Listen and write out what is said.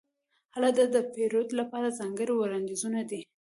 هلته د پیرود لپاره ځانګړې وړاندیزونه دي.